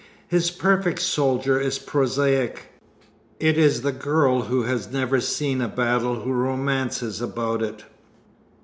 His perfect soldier is prosaic. It is the girl who has never seen a battle who romances about it.